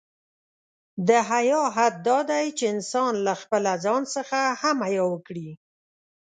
د حیا حد دا دی، چې انسان له خپله ځان څخه هم حیا وکړي.